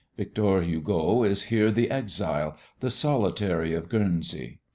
Victor Hugo is here the exile, the solitary of Guernsey.